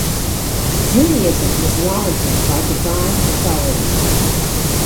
Judaism was warranted by divine authority.